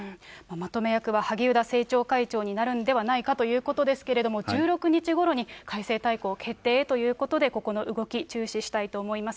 まとめ役は萩生田政調会長になるんではないかということですけれども、１６日ごろに改正大綱決定へということで、ここの動き、注視したいと思います。